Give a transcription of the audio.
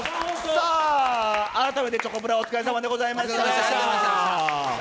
さあ、改めてチョコプラ、お疲れさまでございました。